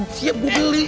siap gue beli